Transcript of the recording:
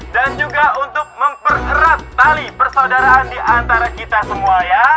dan juga untuk memperkerat tali persaudaraan diantara kita semua ya